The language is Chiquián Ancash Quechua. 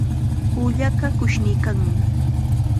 Ullaqa qushniykanmi.